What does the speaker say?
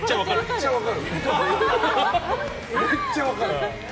めっちゃ分かる？